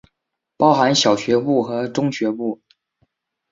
包含小学部和中学部。